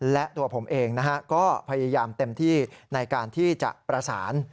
และตัวผมเองก็พยายามเต็มที่ในการที่จะประสาน